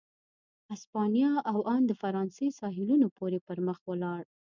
اسپانیا او ان د فرانسې ساحلونو پورې پر مخ ولاړ.